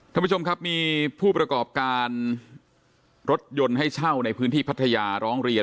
ท่านผู้ชมครับมีผู้ประกอบการรถยนต์ให้เช่าในพื้นที่พัทยาร้องเรียน